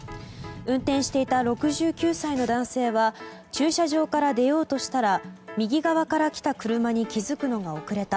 運転していた６９歳の男性は駐車場から出ようとしたら右側から来た車に気付くのが遅れた。